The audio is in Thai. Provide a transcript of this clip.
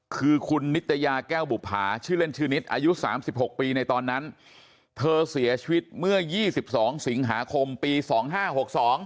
คือคุณนิตยาแก้วบุภาชื่อเล่นชื่อนิดอายุสามสิบหกปีในตอนนั้นเธอเสียชีวิตเมื่อยี่สิบสองสิงหาคมปีสองห้าหกสอง